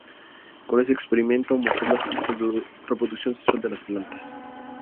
Con ese experimento, mostró la reproducción sexual de las plantas.